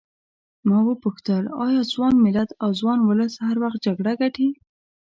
ما وپوښتل ایا ځوان ملت او ځوان ولس هر وخت جګړه ګټي.